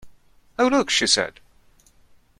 "Oh, look," she said.